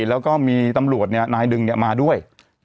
แล้วก็มีตำรวจเนี่ยนายดึงเนี่ยมาด้วย